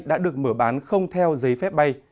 đã được mở bán không theo giấy phép bay